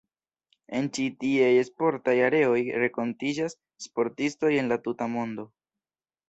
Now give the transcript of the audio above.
En ĉi tieaj sportaj areoj renkontiĝas sportistoj el la tuta mondo.